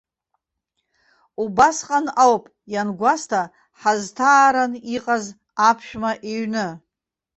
Убасҟан ауп иангәасҭа ҳазҭааран иҟаз аԥшәма иҩны.